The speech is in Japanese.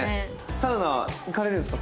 サウナは行かれるんですか？